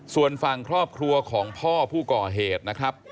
ส่วนฝั่งครอบครัวของพ่อผู้ก่อเหตุนะครับ